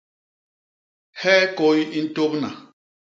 Hee kôy i ntôbna?